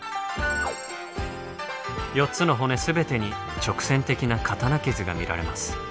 ４つの骨全てに直線的な刀傷が見られます。